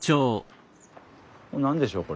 何でしょう？